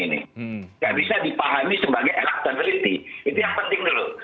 tidak bisa dipahami sebagai electability itu yang penting dulu